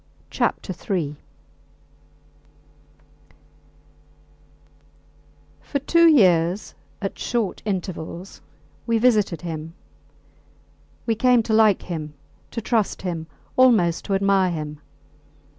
III For two years at short intervals we visited him. We came to like him, to trust him, almost to admire him.